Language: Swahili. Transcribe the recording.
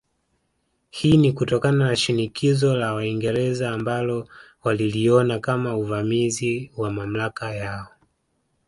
Hii ni kutokana na shinikizo la Waingereza ambalo waliliona kama uvamizi wa mamlaka yao